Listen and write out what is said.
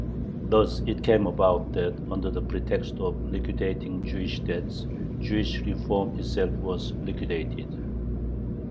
Thus it came about that, under the pretext of liquidating Jewish debts, "Jewish reform" itself was liquidated.